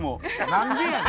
何でやねん。